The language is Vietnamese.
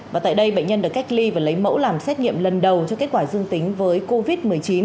và tại đây bệnh nhân được cách ly và lấy mẫu làm xét nghiệm lần đầu cho kết quả dương tính với covid một mươi chín